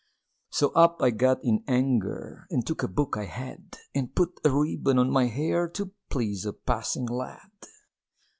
So up I got in anger, And took a book I had, And put a ribbon on my hair To please a passing lad.